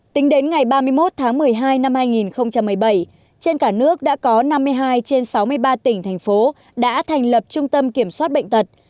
tính đến ngày ba mươi một tháng một mươi hai năm hai nghìn một mươi bảy trên cả nước đã có năm mươi hai trên sáu mươi ba tỉnh thành phố đã thành lập trung tâm kiểm soát bệnh tật